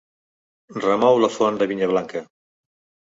Remou la font de vinya blanca.